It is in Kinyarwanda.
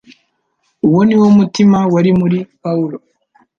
Uwo ni wo mutima wari muri Pawulo.